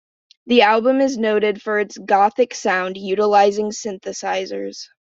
The album is noted for it's gothic sound, utilizing synthesizers.